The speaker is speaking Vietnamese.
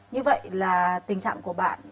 như vậy là tình trạng của bạn